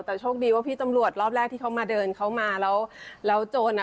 แต่โชคดีว่าพี่ตำรวจรอบแรกที่เขามาเดินเขามาแล้วแล้วโจรอะ